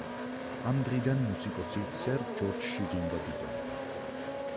ამ დღიდან მუსიკოსი სერ ჯორჯ შირინგად იწოდება.